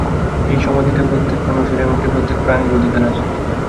এই সমাধিতে প্রত্যেক মানুষের, এমন কি প্রত্যেক প্রাণীর অধিকার আছে।